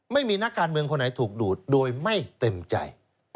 ไม่มีนักการเมืองคนไหนถูกดูดโดยไม่เต็มใจ